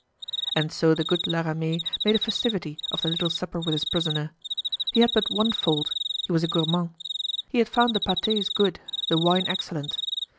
And so the good La Ramee made a festivity of the little supper with his prisoner. He had but one fault—he was a gourmand; he had found the pates good, the wine excellent.